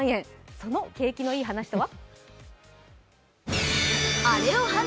その景気のいい話とは？